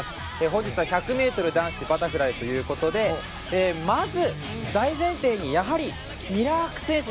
本日は１００ｍ男子バタフライということでまず大前提にやはりミラーク選手。